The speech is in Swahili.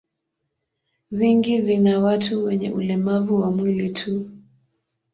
Vingi vina watu wenye ulemavu wa mwili tu.